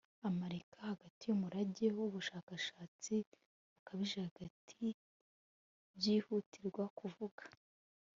amerika, hagati yumurage wubushakashatsi bukabije kandi byihutirwa kuvuga